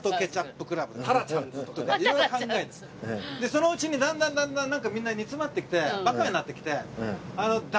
そのうちにだんだんだんだんみんな煮詰まってきてバカになってきて。